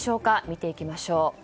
見ていきましょう。